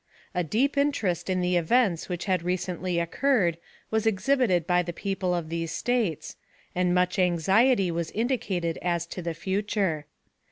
A deep interest in the events which had recently occurred was exhibited by the people of these States, and much anxiety was indicated as to the future.